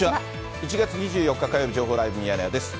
１月２４日火曜日、情報ライブミヤネ屋です。